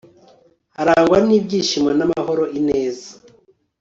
harangwa ibyishimo n'amahoro ineza